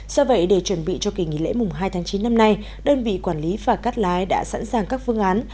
do vậy để chuẩn bị cho kỳ nghỉ lễ mùng hai tháng chín năm nay đơn vị quản lý phà cắt lái đã sẵn sàng các phương án